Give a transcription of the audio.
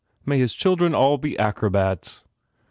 May his children all be acrobats!